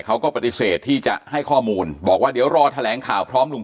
เขาก็ปฏิเสธที่จะให้ข้อมูลบอกว่าเดี๋ยวรอแถลงข่าวพร้อมลุง